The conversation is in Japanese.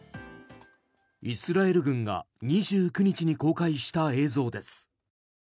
イスラエル軍が２９日に公開した映像です。